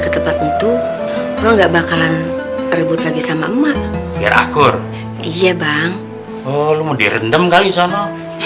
ke tempat itu enggak bakalan ribut lagi sama emak biar akur iya bang lu mau direndam kali sama